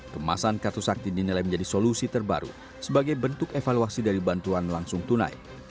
kemasan kartu sakti dinilai menjadi solusi terbaru sebagai bentuk evaluasi dari bantuan langsung tunai